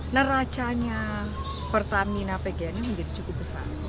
neracanya pertamina pgnnya menjadi cukup besar